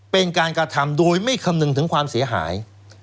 เป็นการกระทำโดยไม่คำนึงถึงความเสียหาย